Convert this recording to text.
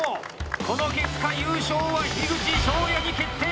この結果、優勝は樋口翔哉に決定！